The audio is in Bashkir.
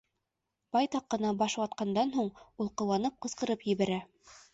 Байтаҡ ҡына баш ватҡандан һуң, ул ҡыуанып ҡысҡырып ебәрә: